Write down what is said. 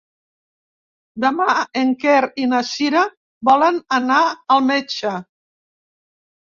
Demà en Quer i na Cira volen anar al metge.